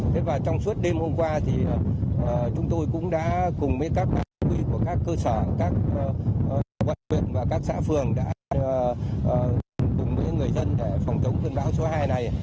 thế và trong suốt đêm hôm qua thì chúng tôi cũng đã cùng với các đơn vị của các cơ sở các quận huyện và các xã phường đã cùng với người dân để phòng chống cơn bão số hai này